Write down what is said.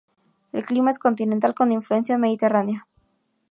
El clima es continental con influencia mediterránea.